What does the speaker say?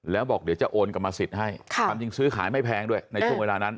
แล้วบอกเดี๋ยวจะโอนกรรมสิทธิ์ให้ความจริงซื้อขายไม่แพงด้วยในช่วงเวลานั้น